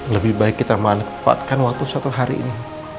lebih baik kita manfaatkan waktu satu hari ini